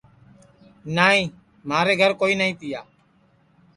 نائی مھارے گھر کوئی نائی تیا